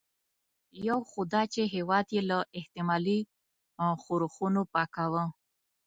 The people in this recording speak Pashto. یو خو دا چې هېواد یې له احتمالي ښورښونو پاکاوه.